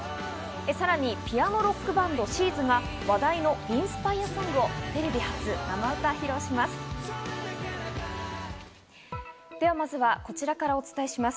さらにピアノロックバンド・ＳＨＥ’ｓが話題のインスパイアソングをテレビ初、生歌披露します。